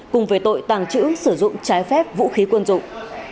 cùng về tội tàng trữ sử dụng trái phép vũ khí quân dụng